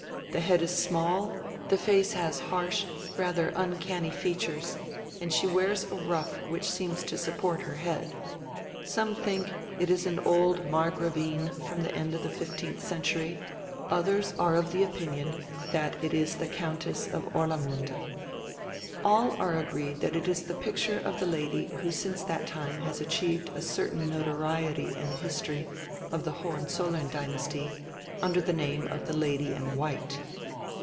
The head is small, the face has harsh, rather uncanny features, and she wears a ruff which seems to support her head. Some think it is an old margra vine from die end of the 15th century, others are of the opinion that it is the Countess of Orlamunde. All are agreed that it is the picture of the Lady who since that time has achieved a certain notoriety in the history of the Hohen zollern dynasty under the name of the 'Lady in white.'"